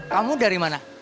kamu dari mana